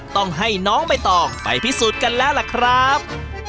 ต้องให้น้องใบตองไปพิสูจน์กันแล้วล่ะครับ